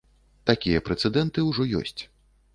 Такія прэцэдэнты ужо ёсць.